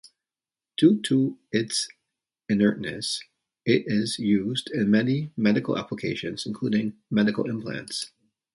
Due to its inertness, it is used in many medical applications including medical implants.